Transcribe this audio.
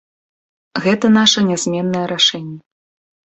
Гэта наша нязменнае рашэнне.